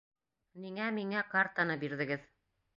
Ниңә миңә картаны бирҙегеҙ?